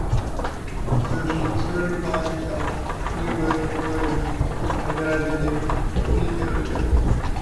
So she started calling herself Gina Williams-Williams, and then I became Courtney Taylor-Taylor.